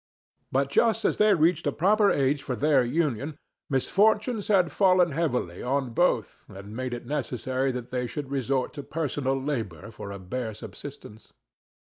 But just as they reached a proper age for their union misfortunes had fallen heavily on both and made it necessary that they should resort to personal labor for a bare subsistence.